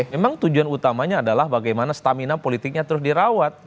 memang tujuan utamanya adalah bagaimana stamina politiknya terus dirawat